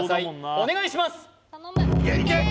お願いします